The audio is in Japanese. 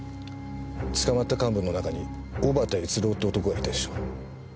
捕まった幹部の中に小幡悦郎って男がいたでしょ。